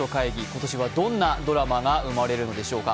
今年は、どんなドラマが生まれるのでしょうか。